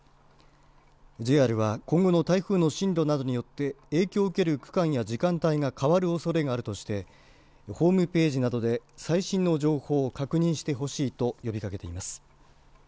ＪＲは今後の台風の進路などによって影響を受ける区間や時間帯が変わるおそれがあるとしてホームページなどで最新の情報を確認してほしいと呼びかけています。